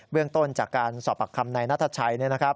เรื่องต้นจากการสอบปากคำนายนัทชัย